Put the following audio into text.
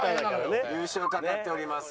優勝懸かっております